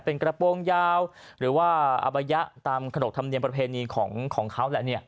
เป็นกระโปรงยาวหรือว่าอบยะตามขนบธรรมเนียมประเพณีของเขาแหละ